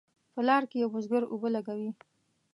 په لار کې یو بزګر اوبه لګوي.